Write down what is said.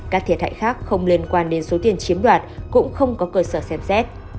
các thiệt hại khác không liên quan đến số tiền chiếm đoạt cũng không có cơ sở xem xét